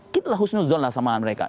kita harus menuduhkan sama mereka